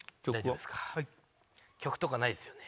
曲とかないですよね？